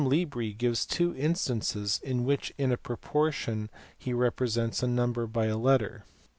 Libri gives two instances in which in a proportion he represents a number by a letter.